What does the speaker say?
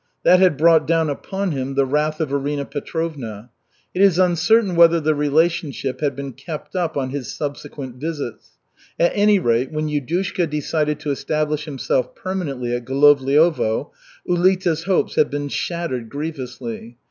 That had brought down upon him the wrath of Arina Petrovna. It is uncertain whether the relationship had been kept up on his subsequent visits; at any rate, when Yudushka decided to establish himself permanently at Golovliovo, Ulita's hopes had been shattered grievously.